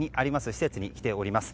施設に来ております。